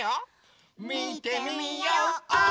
みてみよう！